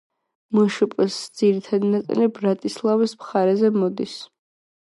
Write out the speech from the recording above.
მშპ-ის ძირითადი ნაწილი ბრატისლავის მხარეზე მოდის.